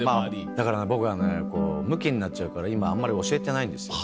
だから僕がむきになっちゃうから今あんまり教えてないんですよね。